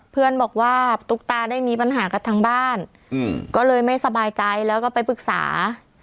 เพื่อนบอกว่าตุ๊กตาได้มีปัญหากับทางบ้านก็เลยไม่สบายใจแล้วก็ไปปรึกษา